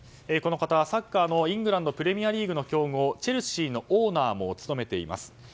この方、サッカーのイングランドプレミアリーグの強豪チェルシーのオーナーも務めています。